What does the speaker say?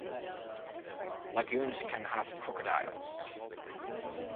Lagoons can have crocodiles.